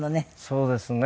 そうですね。